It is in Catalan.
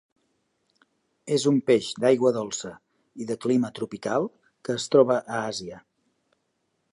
És un peix d'aigua dolça i de clima tropical que es troba a Àsia.